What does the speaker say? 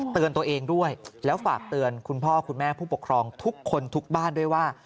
เตือนตัวเองด้วยแล้วฝากเตือนคุณพ่อคุณแม่ผู้ปกครองทุกคนทุกบ้านด้วยว่า